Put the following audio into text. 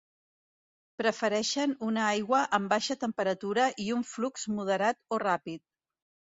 Prefereixen una aigua amb baixa temperatura i un flux moderat o ràpid.